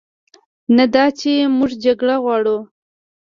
نه دا چې موږ جګړه غواړو،